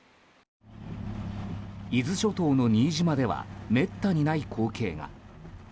伊豆諸島の新島ではめったにない光景が。